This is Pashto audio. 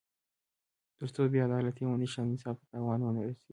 تر څو بې عدالتي ونه شي او انصاف ته تاوان ونه رسېږي.